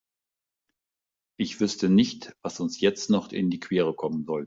Ich wüsste nicht, was uns jetzt noch in die Quere kommen sollte.